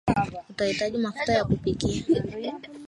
Utahitaji mafuta ya kupikia